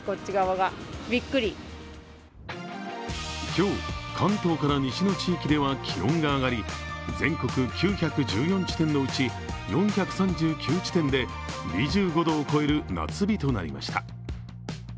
今日、関東から西の地域では気温が上がり全国９１４地点のうち４３９地点で２５度を超える夏日となりました。